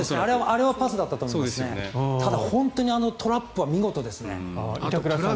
あれはパスだったと思いますけどただ、本当にあのトラップは見事ですね。